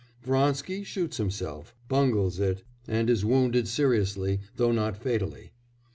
Vronsky shoots himself, bungles it, and is wounded seriously though not fatally.